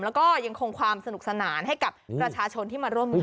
แล้วก็ยังคงความสนุกสนานให้กับประชาชนที่มาร่วมงาน